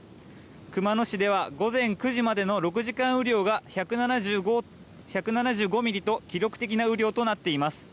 熊野市では午前９時までの６時間雨量が１７５ミリと記録的な雨量となっています。